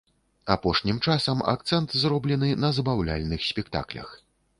Апошні часам акцэнт зроблены на забаўляльных спектаклях.